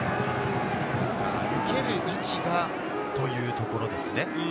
受ける位置がというところですね。